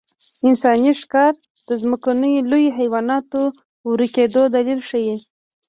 انساني ښکار د ځمکنیو لویو حیواناتو ورکېدو دلیل ښيي.